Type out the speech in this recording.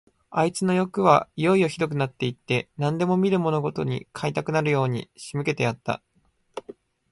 あいつのよくはいよいよひどくなって行って、何でも見るものごとに買いたくなるように仕向けてやった。